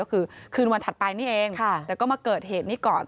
ก็คือคืนวันถัดไปนี่เองแต่ก็มาเกิดเหตุนี้ก่อน